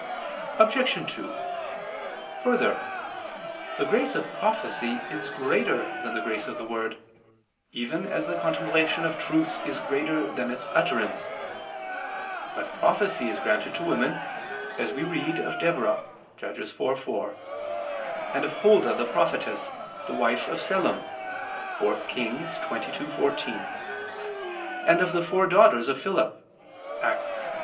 Obj. 2: Further, the grace of prophecy is greater than the grace of the word, even as the contemplation of truth is greater than its utterance. But prophecy is granted to women, as we read of Deborah (Judges 4:4), and of Holda the prophetess, the wife of Sellum (4 Kings 22:14), and of the four daughters of Philip (Acts 21:9).